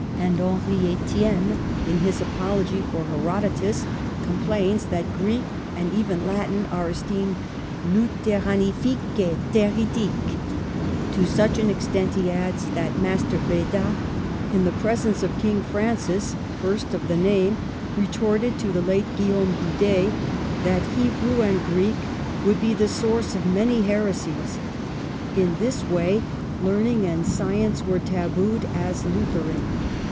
And Henri Estienne, in his apology for Herodotus, com plains that Greek and even Latin are esteemed *' lutheranifiques et heretifiques." To such an extent, he adds, that Master Beda, in the pres ence of King Francis, first of the name, retorted to the late Guillaume Bude that Hebrew and Greek would be the source of many heresies. In this way learning and science were tabooed as Lutheran.